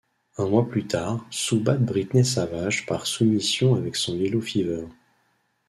Un mois plus tard, Su bat Brittney Savage par soumission avec son Yellow Fever.